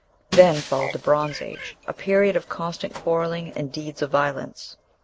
Then followed the Bronze Age, a period of constant quarrelling and deeds of violence.